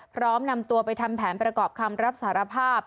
พร้อมนำตัวไปทำแผนประกอบคำรับสารภาพ